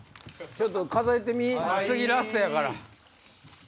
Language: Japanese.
ちょっと数えてみ次ラストやから。